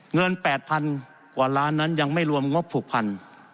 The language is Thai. เงิน๘๐๐๐กว่าล้านนั้นยังไม่รวมงบผูกพัน